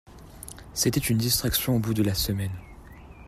C'était une distraction au bout de la semaine.